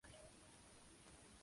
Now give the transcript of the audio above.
Nombre: "Possible Maybe".